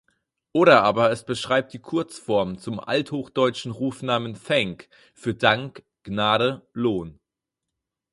Oder aber es beschreibt die Kurzform zum althochdeutschen Rufnamen "thank" für Dank, Gnade, Lohn.